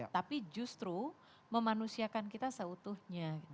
tapi justru memanusiakan kita seutuhnya